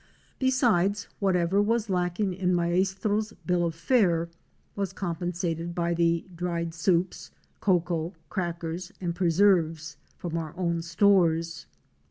Besides, whatever was lacking in Maestro's bill of fare was compensated by the dried soups, cocoa, crackers and preserves from our own stores.